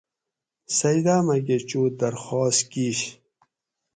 سجدہ میکہ چو درخواست کیش